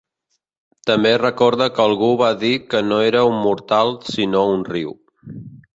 També recorda que algú va dir que no era un mortal sinó un riu.